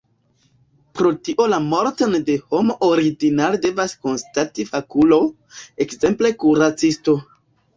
Pro tio la morton de homo ordinare devas konstati fakulo, ekzemple kuracisto.